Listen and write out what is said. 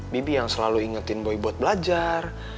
bibi yang selalu ingetin boy buat belajar